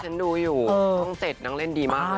ใช่ฉันดูอยู่ต้องเสร็จนางเล่นดีมากเลย